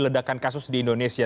ledakan kasus di indonesia